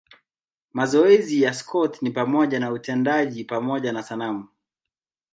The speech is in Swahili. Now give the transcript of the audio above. Mazoezi ya Scott ni pamoja na utendaji pamoja na sanamu.